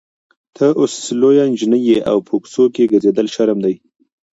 ته اوس لویه نجلۍ یې او په کوڅه کې ګرځېدل شرم دی.